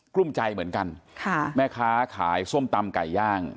ลุ้มใจเหมือนกันค่ะแม่ค้าขายส้มตำไก่ย่าง